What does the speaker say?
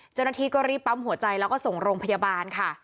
เจ้าหน้าที่ก็รีบปั๊มหัวใจแล้วก็ส่งโรงพยาบาลค่ะ